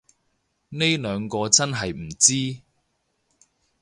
呢兩個真係唔知